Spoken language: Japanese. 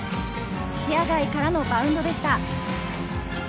視野外からのバウンドでした。